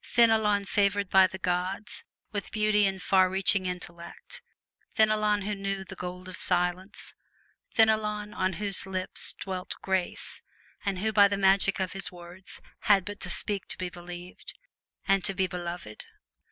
Fenelon, favored by the gods with beauty and far reaching intellect! Fenelon, who knew the gold of silence. Fenelon, on whose lips dwelt grace, and who by the magic of his words had but to speak to be believed and to be beloved.